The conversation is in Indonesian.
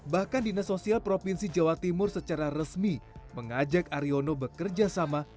bahkan dinas sosial provinsi jawa timur secara resmi mengajak aryono bekerja sama